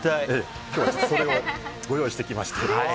それをご用意してきました。